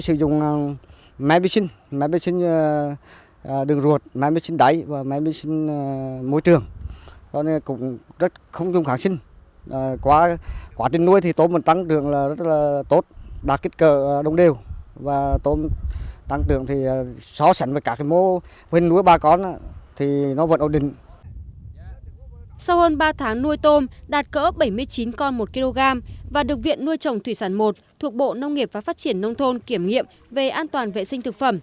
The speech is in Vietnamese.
sau hơn ba tháng nuôi tôm đạt cỡ bảy mươi chín con một kg và được viện nuôi trồng thủy sản một thuộc bộ nông nghiệp và phát triển nông thôn kiểm nghiệm về an toàn vệ sinh thực phẩm